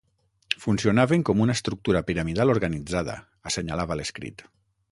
Funcionaven com una “estructura piramidal organitzada”, assenyalava l’escrit.